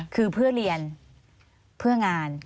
คือเพื่อเรียนเพื่องาน